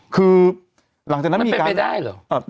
คือหลังจากนั้นมันเป็นไปได้เหรอ